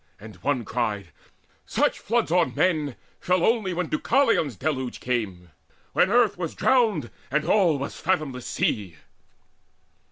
And one cried: "Such floods on men Fell only when Deucalion's deluge came, When earth was drowned, and all was fathomless sea!"